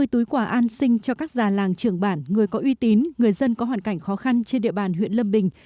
năm mươi túi quà an sinh cho các già làng trưởng bản người có uy tín người dân có hoàn cảnh khó khăn trên địa bàn huyện lâm bình